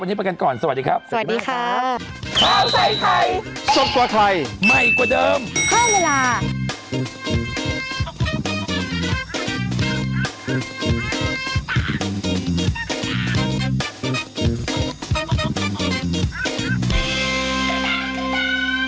วันนี้เป็นกันก่อนสวัสดีครับสวัสดีค่ะ